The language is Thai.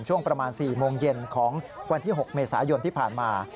ช่วงประมาณ๔โมงเย็นของวันที่๖เมษายนที่ผ่านมา